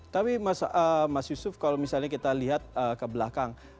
tapi mas yusuf kalau misalnya kita lihat ke belakang